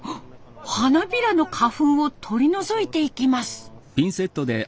花びらの花粉を取り除いていきます。